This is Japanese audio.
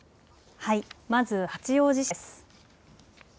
まず八王子市です。